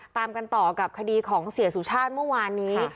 ตามกันต่อกับคดีของเสียสุชาติเมื่อวานนี้